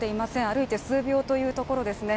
歩いて数秒というところですね。